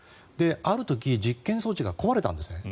ある時実験装置が壊れたんですね。